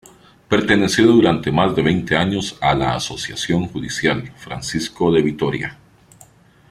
Perteneció durante más de veinte años a la asociación judicial, Francisco de Vitoria.